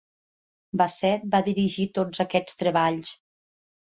Basset va dirigir tots aquests treballs.